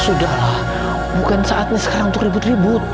sudah bukan saatnya sekarang untuk ribut ribut